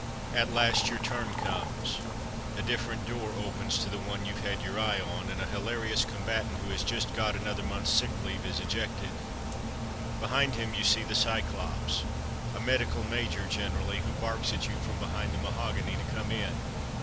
At last your turn comes. A different dooi opens to the one youVe had your eye on, and a hilarious combatant who has just got another month's sick leave is ejected. 10 From Mud to Mufti Behind him you see the Cyclops — a medical major generally, who barks at you from be hind the mahogany to come in.